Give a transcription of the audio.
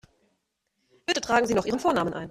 Bitte tragen Sie noch Ihren Vornamen ein.